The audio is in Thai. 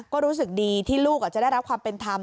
ก็รู้สึกดีที่ลูกจะได้รับความเป็นธรรม